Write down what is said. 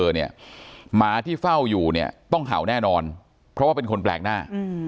หมาที่เฝ้าอยู่เนี่ยต้องเห่าแน่นอนเพราะว่าเป็นคนแปลกหน้า